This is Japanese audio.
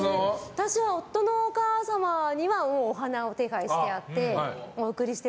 私は夫のお母さまにはお花を手配してあってお贈りしてまして。